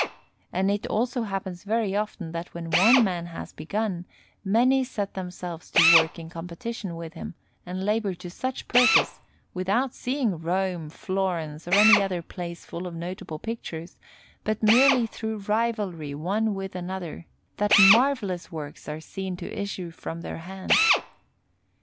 And it also happens very often that when one man has begun, many set themselves to work in competition with him, and labour to such purpose, without seeing Rome, Florence, or any other place full of notable pictures, but merely through rivalry one with another, that marvellous works are seen to issue from their hands.